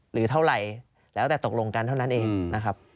หรือเท่าไหร่แล้วแต่ตกลงกันเท่านั้นเองนะครับ